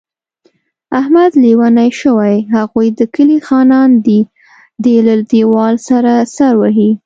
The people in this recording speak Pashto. احمد لېونی شوی، هغوی د کلي خانان دي. دی له دېوال سره سر وهي.